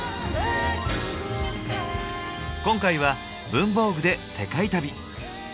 今回は「文房具」で世界旅！